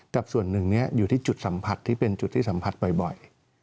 ส่วนหนึ่งอยู่ที่จุดสัมผัสที่เป็นจุดที่สัมผัสบ่อย